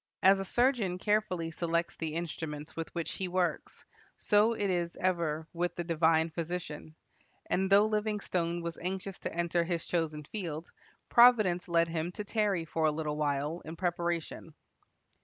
As a surgeon carefully selects the instruments with which he works, so it is ever with the divine Physician; and though Livingstone was anxious to enter his chosen field, providence led him to tarry for a little while in preparation.